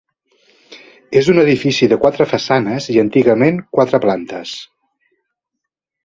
És un edifici de quatre façanes i antigament quatre plantes.